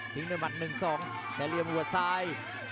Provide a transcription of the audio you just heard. ทิ้งด้วยมัตต์๑๒แสลมหัวทราย